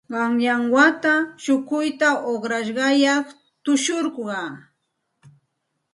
Qanyan wata shukuyta uqrashqayaq tushurqaa.